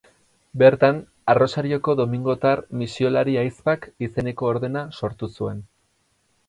Bertan Arrosarioko Domingotar Misiolari Ahizpak izeneko ordena sortu zuen.